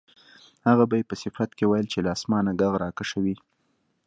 هغه به یې په صفت کې ویل چې له اسمانه غږ راکشوي.